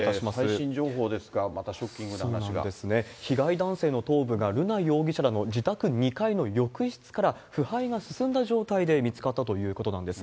最新情報ですが、またショッ被害男性の頭部が、瑠奈容疑者らの自宅２階の浴室から腐敗が進んだ状態で見つかったということなんです。